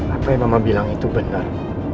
apa yang mama bilang itu benar